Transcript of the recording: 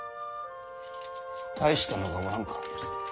大したのがおらんか。